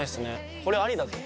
これありだぞ。